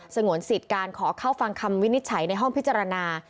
งวนสิทธิ์การขอเข้าฟังคำวินิจฉัยในห้องพิจารณา